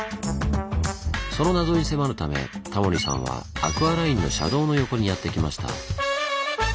その謎に迫るためタモリさんはアクアラインの車道の横にやって来ました。